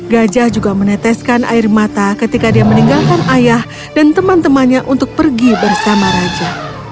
gajah juga meneteskan air mata ketika dia meninggalkan ayah dan teman temannya untuk pergi bersama raja